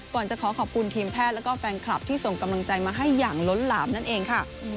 ก่อนจะขอขอบคุณทีมแพทย์แล้วก็แฟนคลับที่ส่งกำลังใจมาให้อย่างล้นหลามนั่นเองค่ะ